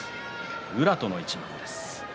宇良との一番です。